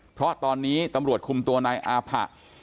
เพราะตอนนี้ตำรวจคุมตัวนายอาผะ